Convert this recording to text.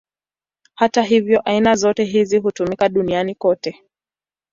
Hata hivyo, aina zote hizi hutumika duniani kote.